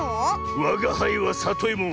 わがはいはさといも。